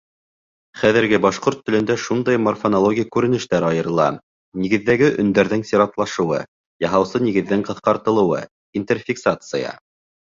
Хәҙерге башҡорт телендә шундай морфонологик күренештәр айырыла: нигеҙҙәге өндәрҙең сиратлашыуы, яһаусы нигеҙҙең ҡыҫҡартылыуы, интерфиксация.